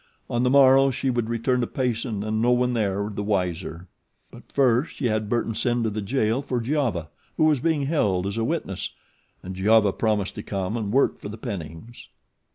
On the morrow she would return to Payson and no one there the wiser; but first she had Burton send to the jail for Giova, who was being held as a witness, and Giova promised to come and work for the Pennings.